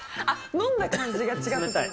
飲んだ感じが違った？